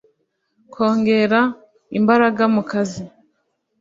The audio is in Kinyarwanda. kongera imbaraga mu kazi